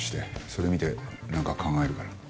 それ見てなんか考えるから。